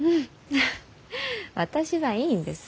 フッ私はいいんです。